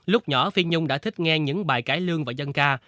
lúc nhỏ phi nhung đã thích nghe những bài cải lương và dân ca